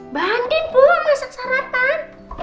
mbak andin belum masak sarapan